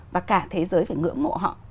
và cả thế giới phải ngưỡng mộ họ